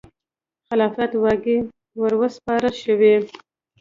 خلافت واګې وروسپارل شوې.